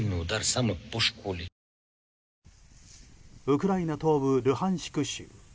ウクライナ東部ルハンシク州。